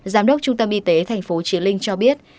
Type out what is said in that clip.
giám đốc trung tâm y tế tp chí linh cho biết